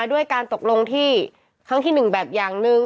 ด้วยการตกลงที่ครั้งที่๑แบบอย่างหนึ่ง